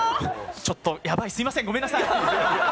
ちょっと、ヤバい、すみません、ごめんなさい。